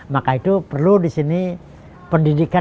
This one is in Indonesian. maka itu perlu disini pendidikan